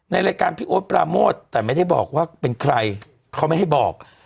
ในรายการพี่โอ๊ตปราโมทแต่ไม่ได้บอกว่าเป็นใครเขาไม่ให้บอก